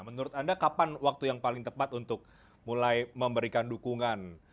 menurut anda kapan waktu yang paling tepat untuk mulai memberikan dukungan